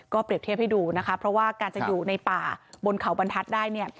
เปรียบเทียบให้ดูนะคะเพราะว่าการจะอยู่ในป่าบนเขาบรรทัศน์ได้เนี่ย